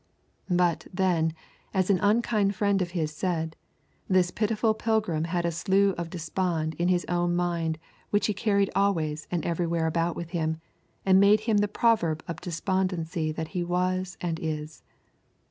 But, then, as an unkind friend of his said, this pitiful pilgrim had a slough of despond in his own mind which he carried always and everywhere about with him, and made him the proverb of despondency that he was and is.